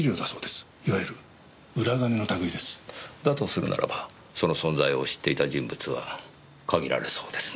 するならばその存在を知っていた人物は限られそうですね。